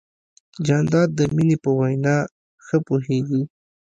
جانداد د مینې په وینا ښه پوهېږي.